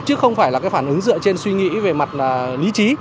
chứ không phải là cái phản ứng dựa trên suy nghĩ về mặt lý trí